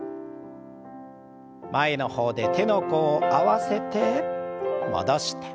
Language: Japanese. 前の方で手の甲を合わせて戻して。